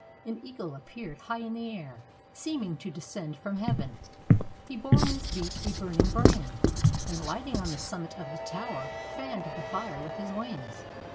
An eagle appeared high in the air, seeming to descend from heaven. He bore in his beak a burning brand, and, lighting on the summit of the tower, fanned the fire with his wings.